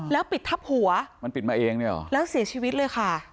แล้วปิดทับหัวแล้วเสียชีวิตเลยค่ะ